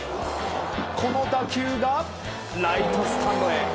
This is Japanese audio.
この打球がライトスタンドへ。